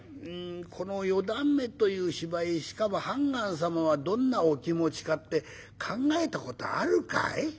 この『四段目』という芝居しかも判官様はどんなお気持ちかって考えた事あるかい？